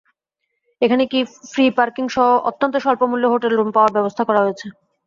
এখানে ফ্রি পার্কিংসহ অত্যন্ত স্বল্পমূল্যে হোটেল রুম পাওয়ার ব্যবস্থা করা হয়েছে।